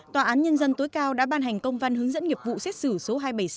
tòa án nhân dân tối cao đã ban hành công văn hướng dẫn nghiệp vụ xét xử số hai trăm bảy mươi sáu